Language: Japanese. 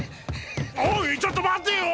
おいちょっと待てよ！